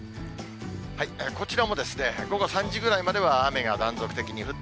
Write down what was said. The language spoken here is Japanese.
こちらも午後３時ぐらいまでは雨が断続的に降る。